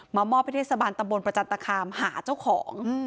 มอบให้เทศบาลตำบลประจันตคามหาเจ้าของ